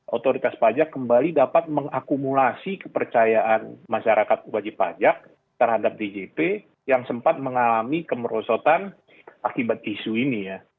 otoritas pajak kembali dapat mengakumulasi kepercayaan masyarakat wajib pajak terhadap djp yang sempat mengalami kemerosotan akibat isu ini ya